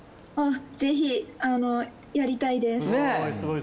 ぜひやりたいです。